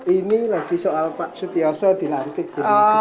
ini lagi soal pak sutioso di lantik